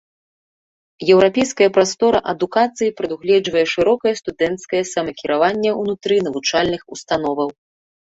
Еўрапейская прастора адукацыі прадугледжвае шырокае студэнцкае самакіраванне ўнутры навучальных установаў.